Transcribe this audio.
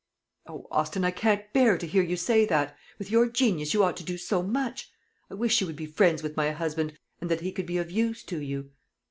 "O Austin, I can't bear to hear you say that! With your genius you ought to do so much. I wish you would be friends with my husband, and that he could be of use to you."